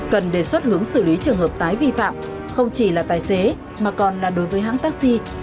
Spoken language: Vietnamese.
cần đề xuất hướng xử lý trường hợp tái vi phạm không chỉ là tài xế mà còn là đối với hãng taxi